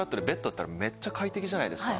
めっちゃ快適じゃないですか。